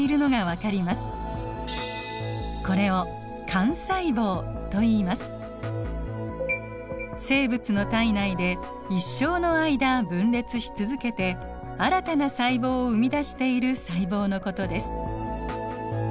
これを生物の体内で一生の間分裂し続けて新たな細胞を生み出している細胞のことです。